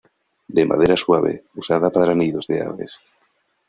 De madera suave, usada para nidos de aves.